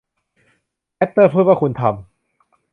แฮตเตอร์พูดว่า คุณทำ